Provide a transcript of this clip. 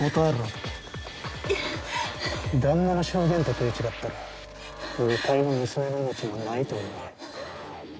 旦那の証言と食い違ったら２階の娘の命もないと思え。